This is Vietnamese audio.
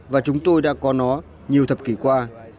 và chúng tôi đã có nó nhiều thập kỷ qua